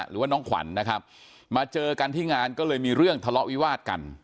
หรือว่าน้องขวัญนะครับมาเจอกันที่งานก็เลยมีเรื่องทะเลาะวิวาดกัน